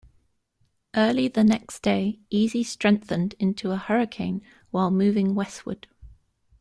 Early the next day, Easy strengthened into a hurricane while moving westward.